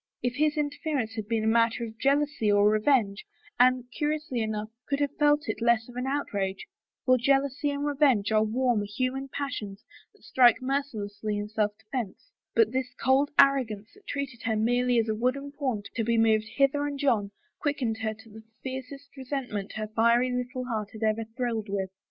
If his interference had been a mat ter of jealousy or revenge, Anne, curiously enough, could have felt it less of an outrage, for jealousy and revenge are warm human passions that strike mercilessly in self defense, but this cold arrogance that treated her merely as a wooden pawn to be moved hither and yon quickened her to the fiercest resentment her fiery little heart had ever thrilled with.